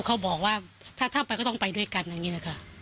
เขาบอกว่าถ้าไปก็ต้องไปด้วยกันอย่างนี้แหละค่ะ